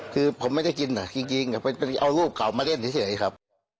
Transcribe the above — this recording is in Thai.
คือผมไม่ได้กินจริงเอารูปเก่ามาเล่นเฉยครับ